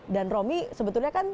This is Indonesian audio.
dan romi sebetulnya kan